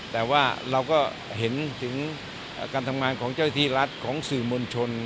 แต่ว่าเราก็เห็นถึงการทำงานของเจ้าที่รัฐของสื่อมวลชน